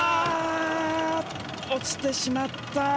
落ちてしまった。